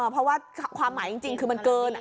เพราะว่าความหมายจริงคือมันเกิน